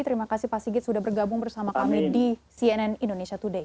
terima kasih pak sigit sudah bergabung bersama kami di cnn indonesia today